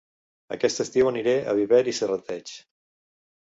Aquest estiu aniré a Viver i Serrateix